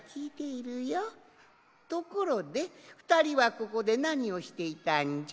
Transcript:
ところでふたりはここでなにをしていたんじゃ？